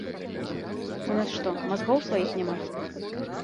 У нас што, мазгоў сваіх няма?